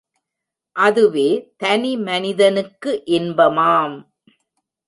அதுவே தனி மனிதனுக்கு இன்பமாம்.